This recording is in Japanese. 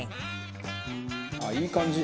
あっいい感じ。